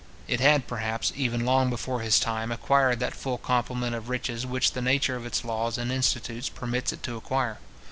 It had, perhaps, even long before his time, acquired that full complement of riches which the nature of its laws and institutions permits it to acquire.